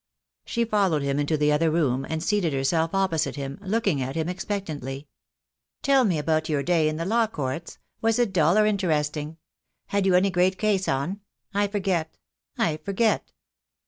She followed him into the other room, and seated herself opposite him, looking at him expectantly. "Tell me about your day in the law courts. Was it dull or interesting? Had you any great case on? I forget. I forget."